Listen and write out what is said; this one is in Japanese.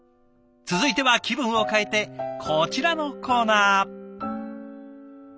続いては気分を変えてこちらのコーナー。